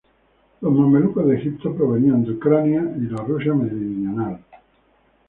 Los mamelucos de Egipto provenían de Ucrania y Rusia meridional.